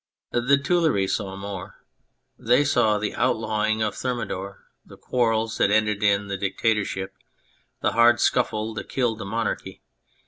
The Tuileries saw more. They saw the outlawing of Thermidor, the quarrels that ended in the dic tatorship, the hard scuffle that killed the monarchy.